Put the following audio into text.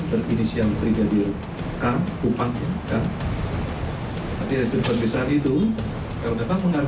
terfinisial brigadir k kupang k